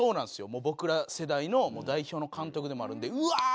もう僕ら世代の代表の監督でもあるので「うわー！」